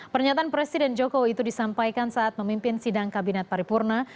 pernyataan presiden jokowi itu disampaikan saat memimpin sidang kabinet paripurna